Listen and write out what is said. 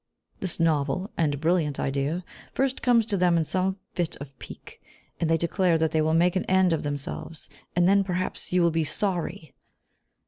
This novel and brilliant idea first comes to them in some fit of pique, and they declare that they will make an end of themselves, "and then perhaps you will be sorry."